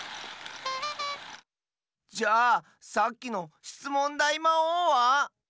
じゃさっきのしつもんだいまおうは？